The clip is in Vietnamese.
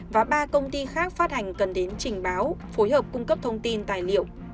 và ba công ty khác phát hành cần đến trình báo phối hợp cung cấp thông tin tài liệu